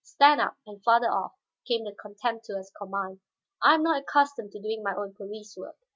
"Stand up, and farther off," came the contemptuous command. "I am not accustomed to doing my own police work.